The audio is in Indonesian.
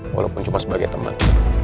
walaupun cuma sebagai temen